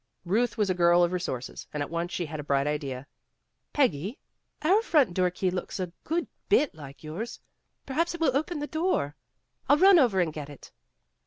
Ruth was a girl of resources and at once she had a bright idea. " Peggy, our front door key looks a good bit like yours. Perhaps it will open the door. I'll run over and get it."